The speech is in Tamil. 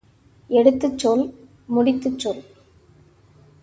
எடுத்துச் சொல் முடித்துச் சொல்.